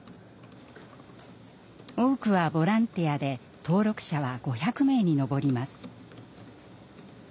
多くはボランティアで登録者は５００名に上ります。